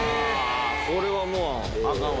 これはもうあかんわ。